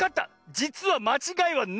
じつはまちがいはない！